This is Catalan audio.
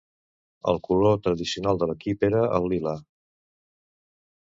El color tradicional de l'equip era el lila.